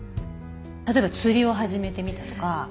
例えば釣りを始めてみたとか。